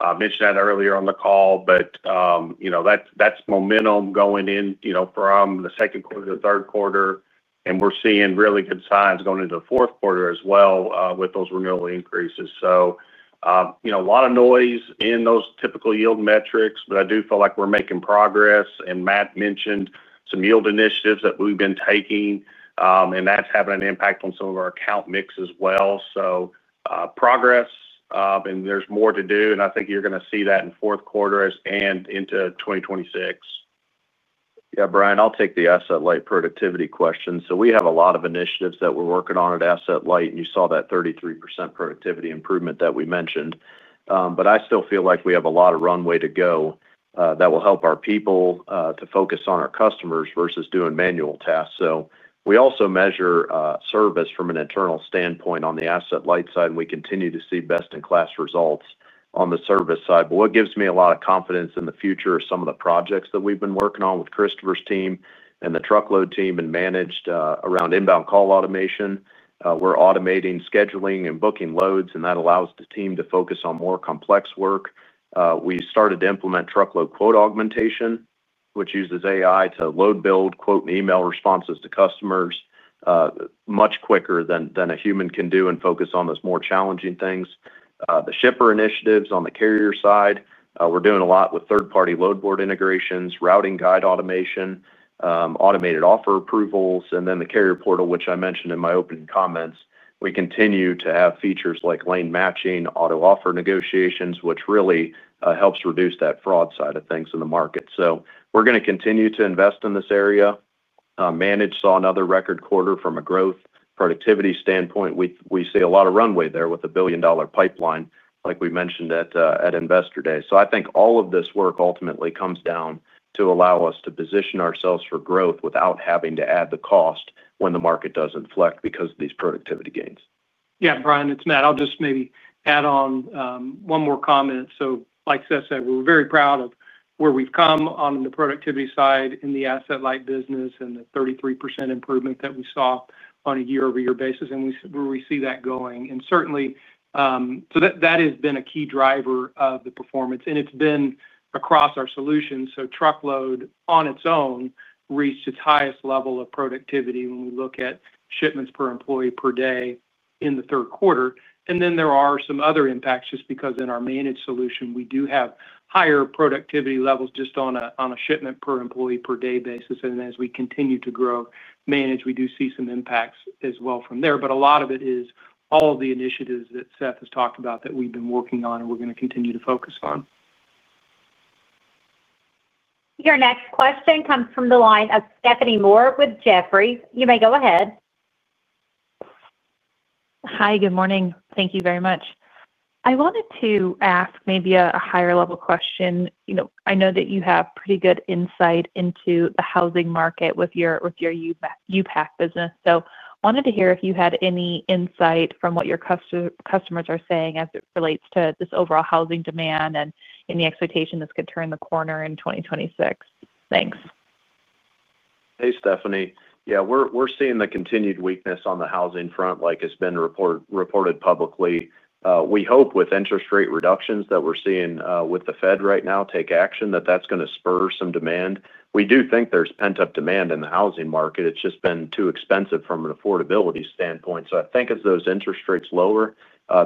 I mentioned that earlier on the call. But you know that is momentum going in from the second quarter to the third quarter. We are seeing really good signs going into the fourth quarter as well with those renewal increases. So a lot of noise in those typical yield metrics, but I do feel like we're making progress. And Matt mentioned some yield initiatives that we've been taking, and that's having an impact on some of our account mix as well. Progress. There's more to do. I think you're going to see that in fourth quarter and into 2026. Yeah, Brian, I'll take the asset-light productivity question. We have a lot of initiatives that we're working on at Asset-Light, and you saw that 33% productivity improvement that we mentioned. But I still feel like we have a lot of runway to go that will help our people to focus on our customers versus doing manual tasks. We also measure service from an internal standpoint on the asset-light side, and we continue to see best-in-class results on the service side. What gives me a lot of confidence in the future are some of the projects that we've been working on with Christopher's team and the truckload team and managed around inbound call automation. We're automating scheduling and booking loads, and that allows the team to focus on more complex work. We started to implement truckload quote augmentation, which uses AI to load build, quote, and email responses to customers. Much quicker than a human can do and focus on those more challenging things. The shipper initiatives on the carrier side, we're doing a lot with third-party load board integrations, routing guide automation, automated offer approvals, and then the carrier portal, which I mentioned in my opening comments. We continue to have features like lane matching, auto offer negotiations, which really helps reduce that fraud side of things in the market. We're going to continue to invest in this area. Managed saw another record quarter from a growth productivity standpoint. We see a lot of runway there with a $1 billion pipeline, like we mentioned at Investor Day. I think all of this work ultimately comes down to allow us to position ourselves for growth without having to add the cost when the market does inflect because of these productivity gains. Yeah, Brian, it's Matt. I'll just maybe add on one more comment. Like Seth said, we're very proud of where we've come on the productivity side in the Asset-Light business and the 33% improvement that we saw on a year-over-year basis, and where we see that going. And certainly, that has been a key driver of the performance, and it's been across our solution. So truckload on its own reached its highest level of productivity when we look at shipments per employee per day in the third quarter. And then there are some other impacts just because in our Managed Solution, we do have higher productivity levels just on a shipment per employee per day basis. As we continue to grow Managed, we do see some impacts as well from there. But a lot of it is all of the initiatives that Seth has talked about that we've been working on and we're going to continue to focus on. Your next question comes from the line of Stephanie Moore with Jefferies. You may go ahead. Hi, good morning. Thank you very much. I wanted to ask maybe a higher-level question. I know that you have pretty good insight into the housing market with your U-Pack business. So I wanted to hear if you had any insight from what your customers are saying as it relates to this overall housing demand and any expectations that could turn the corner in 2026. Thanks. Hey, Stephanie. Yeah, we're seeing the continued weakness on the housing front, like it's been reported publicly. We hope with interest rate reductions that we're seeing with the Fed right now take action, that that's going to spur some demand. We do think there's pent-up demand in the housing market. It's just been too expensive from an affordability standpoint. So I think as those interest rates lower,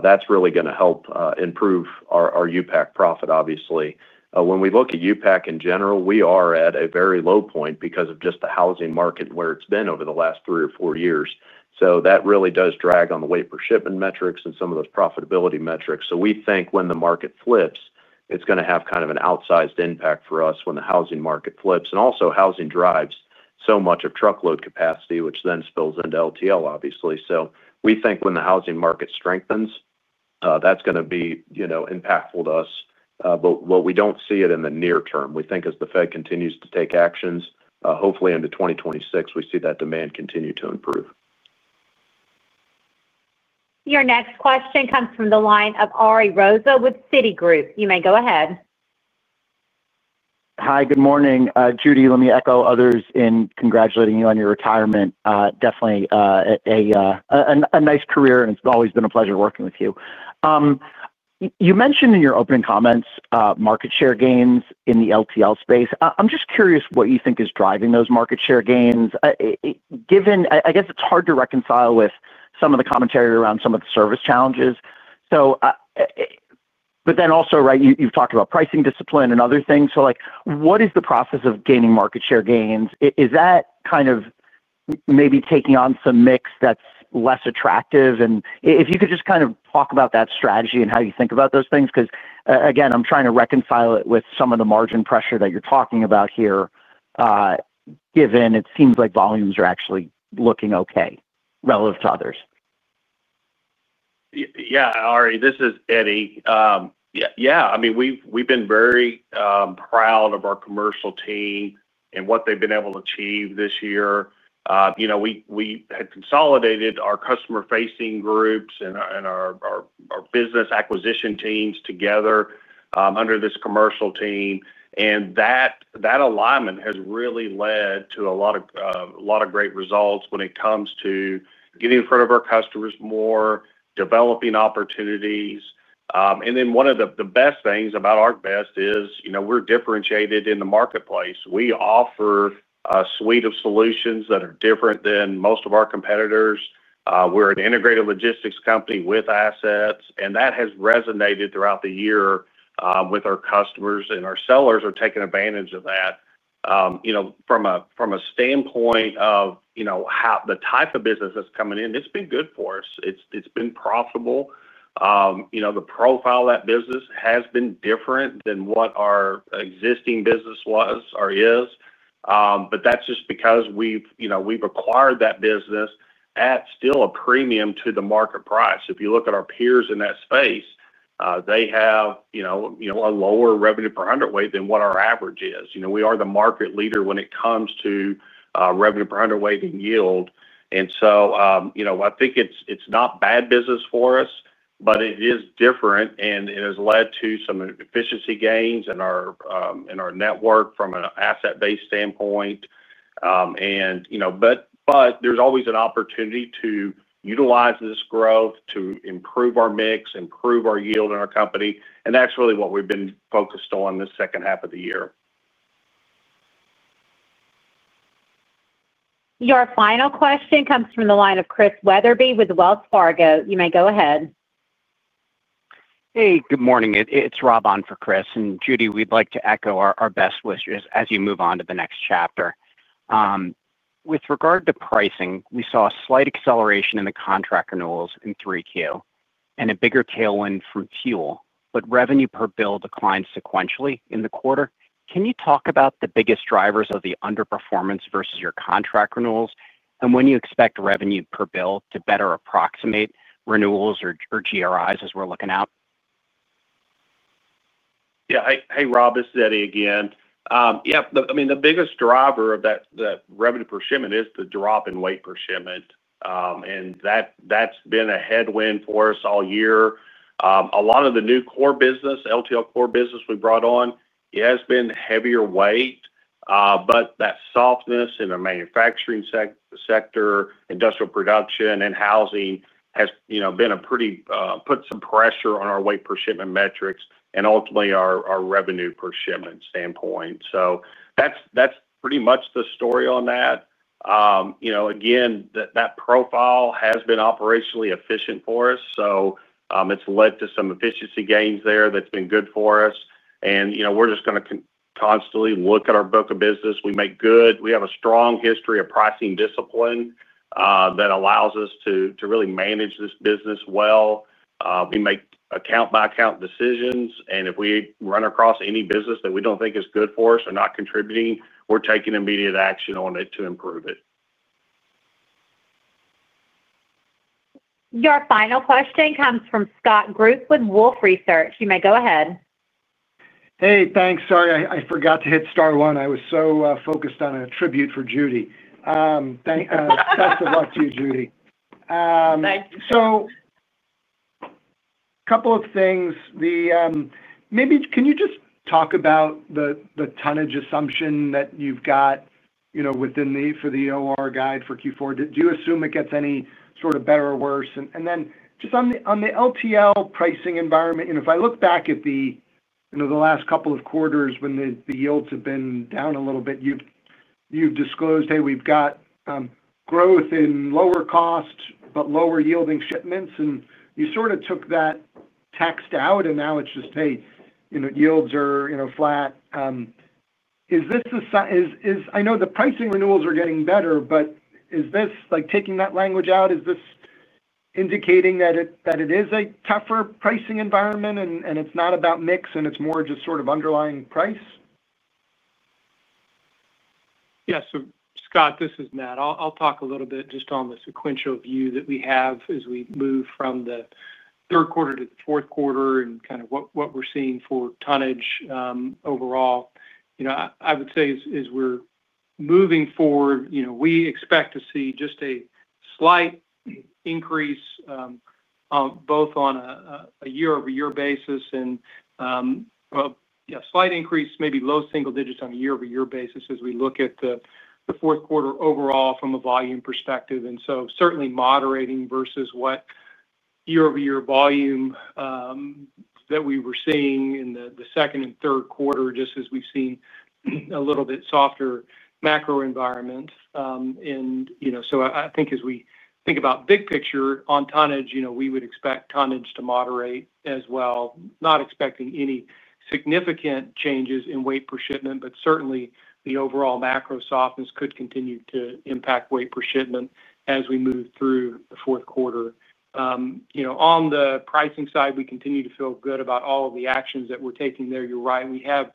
that's really going to help improve our U-Pack profit, obviously. When we look at U-Pack in general, we are at a very low point because of just the housing market where it's been over the last three or four years. So that really does drag on the weight per shipment metrics and some of those profitability metrics. We think when the market flips, it's going to have kind of an outsized impact for us when the housing market flips. And also housing drives so much of truckload capacity, which then spills into LTL, obviously. We think when the housing market strengthens, that's going to be impactful to us. We don't see it in the near term. We think as the Fed continues to take actions, hopefully into 2026, we see that demand continue to improve. Your next question comes from the line of Ari Rosa with Citigroup. You may go ahead. Hi, good morning. Judy, let me echo others in congratulating you on your retirement. Definitely a nice career, and it's always been a pleasure working with you. You mentioned in your opening comments market share gains in the LTL space. I'm just curious what you think is driving those market share gains. I guess it's hard to reconcile with some of the commentary around some of the service challenges. Also, right, you've talked about pricing discipline and other things. What is the process of gaining market share gains? Is that kind of maybe taking on some mix that's less attractive? If you could just kind of talk about that strategy and how you think about those things, because again, I'm trying to reconcile it with some of the margin pressure that you're talking about here. Given it seems like volumes are actually looking okay relative to others. Yeah, Ari, this is Eddie. Yeah, I mean, we've been very proud of our commercial team and what they've been able to achieve this year. We had consolidated our customer-facing groups and our business acquisition teams together under this commercial team. And that alignment has really led to a lot of great results when it comes to getting in front of our customers more, developing opportunities. One of the best things about ArcBest is we're differentiated in the marketplace. We offer a suite of solutions that are different than most of our competitors. We're an integrated logistics company with assets, and that has resonated throughout the year with our customers, and our sellers are taking advantage of that. From a standpoint of the type of business that's coming in, it's been good for us. It's been profitable. The profile of that business has been different than what our existing business was or is. But that's just because we have acquired that business, at still a premium to the market price. If you look at our peers in that space, they have a lower revenue per 100 weight than what our average is. We are the market leader when it comes to revenue per 100 weight and yield. So I think it is not bad business for us, but it is different, and it has led to some efficiency gains in our network from an Asset-Based standpoint. But there is always an opportunity to utilize this growth to improve our mix, improve our yield in our company. And that's really what we have been focused on this second half of the year. Your final question comes from the line of Chris Wetherbee with Wells Fargo. You may go ahead. Hey, good morning. It's Rob on for Chris. Judy, we'd like to echo our best wishes as you move on to the next chapter. With regard to pricing, we saw a slight acceleration in the contract renewals in 3Q and a bigger tailwind from fuel. However, revenue per bill declined sequentially in the quarter. Can you talk about the biggest drivers of the underperformance versus your contract renewals? When do you expect revenue per bill to better approximate renewals or GRIs as we're looking out? Yeah. Hey, Rob, this is Eddie again. Yeah, I mean, the biggest driver of that revenue per shipment is the drop in weight per shipment. That's been a headwind for us all year. A lot of the new core business, LTL core business we brought on, it has been heavier weight. But that softness in the manufacturing sector, industrial production, and housing has put some pressure on our weight per shipment metrics and ultimately our revenue per shipment standpoint. So that's pretty much the story on that. Again, that profile has been operationally efficient for us. So it's led to some efficiency gains there that's been good for us. And we're just going to constantly look at our book of business. We have a strong history of pricing discipline that allows us to really manage this business well. We make account-by-account decisions. If we run across any business that we don't think is good for us or not contributing, we're taking immediate action on it to improve it. Your final question comes from Scott Group with Wolfe Research. You may go ahead. Hey, thanks. Sorry, I forgot to hit star one. I was so focused on a tribute for Judy. Best of luck to you, Judy. Thank you. So a couple of things. Maybe can you just talk about the tonnage assumption that you've got within the OR guide for Q4? Do you assume it gets any sort of better or worse? Just on the LTL pricing environment, if I look back at the last couple of quarters when the yields have been down a little bit, you've disclosed, "Hey, we've got growth in lower cost but lower yielding shipments." You sort of took that text out, and now it's just, "Hey, yields are flat." Is this the—I know the pricing renewals are getting better, but is this taking that language out? Is this indicating that it is a tougher pricing environment and it's not about mix and it's more just sort of underlying price? Yeah. Scott, this is Matt. I'll talk a little bit just on the sequential view that we have as we move from the third quarter to the fourth quarter and kind of what we're seeing for tonnage overall. I would say as we're moving forward, we expect to see just a slight increase, both on a year-over-year basis and a slight increase, maybe low single digits on a year-over-year basis as we look at the fourth quarter overall from a volume perspective. Certainly moderating versus what year-over-year volume that we were seeing in the second and third quarter, just as we've seen a little bit softer macro environment. I think as we think about big picture on tonnage, we would expect tonnage to moderate as well, not expecting any significant changes in weight per shipment, but certainly the overall macro softness could continue to impact weight per shipment as we move through the fourth quarter. On the pricing side, we continue to feel good about all of the actions that we're taking there. You're right. We have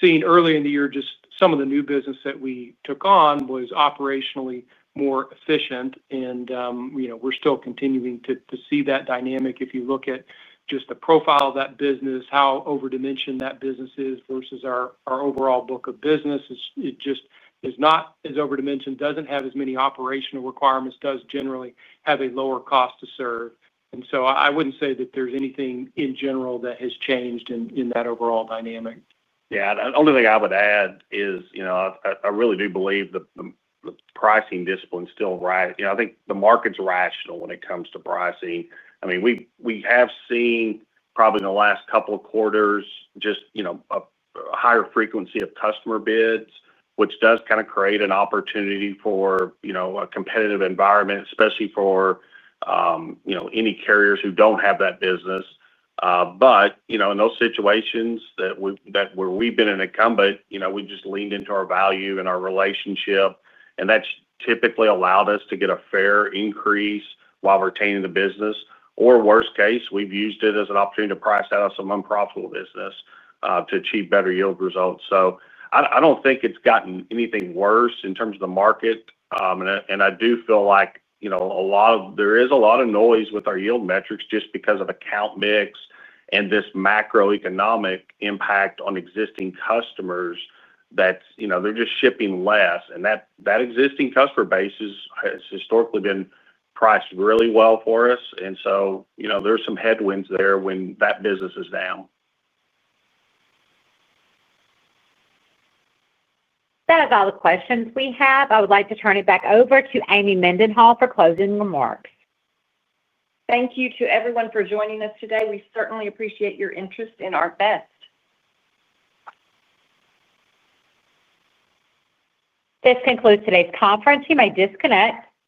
seen earlier in the year just some of the new business that we took on was operationally more efficient. We're still continuing to see that dynamic. If you look at just the profile of that business, how overdimensioned that business is versus our overall book of business, it just is not as overdimensioned, doesn't have as many operational requirements, does generally have a lower cost to serve. I wouldn't say that there's anything in general that has changed in that overall dynamic. Yeah. The only thing I would add is I really do believe the pricing discipline is still right. I think the market's rational when it comes to pricing. I mean, we have seen probably in the last couple of quarters just a higher frequency of customer bids, which does kind of create an opportunity for a competitive environment, especially for any carriers who do not have that business. In those situations where we have been an incumbent, we just leaned into our value and our relationship. That has typically allowed us to get a fair increase while retaining the business. Or worst case, we have used it as an opportunity to price out some unprofitable business to achieve better yield results. I do not think it has gotten anything worse in terms of the market. I do feel like there is a lot of noise with our yield metrics just because of account mix and this macroeconomic impact on existing customers that they're just shipping less. That existing customer base has historically been priced really well for us. There are some headwinds there when that business is down. That is all the questions we have. I would like to turn it back over to Amy Mendenhall for closing remarks. Thank you to everyone for joining us today. We certainly appreciate your interest in ArcBest. This concludes today's conferencing. You may disconnect.